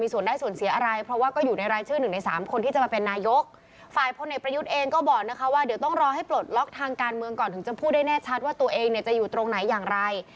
เพราะว่าเดี๋ยวต้องรอให้ปลดล็อกทางการเมืองก่อนถึงจะพูดได้แน่ชัดว่าตัวเองจะอยู่ตรงไหนอย่างไร